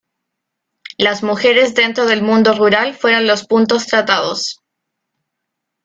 las mujeres dentro del mundo rural fueron los puntos tratados